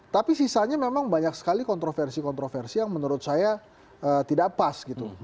tapi sisanya memang banyak sekali kontroversi kontroversi yang menurut saya tidak pas gitu